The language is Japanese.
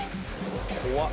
怖っ。